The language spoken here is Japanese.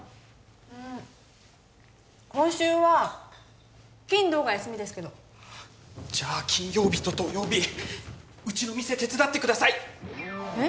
うん今週は金土が休みですけどじゃ金曜日と土曜日うちの店手伝ってくださいえっ？